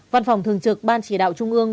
văn phòng thường trực ban chỉ đạo trung ương